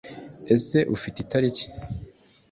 ese ufite itariki